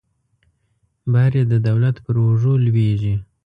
بار یې د دولت پر اوږو لویږي.